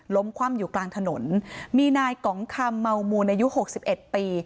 คว่ำอยู่กลางถนนมีนายกองคำเมามูลอายุหกสิบเอ็ดปี